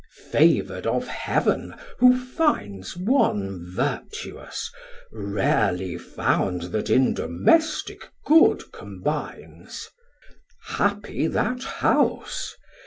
Favour'd of Heav'n who finds One vertuous rarely found, That in domestic good combines: Happy that house!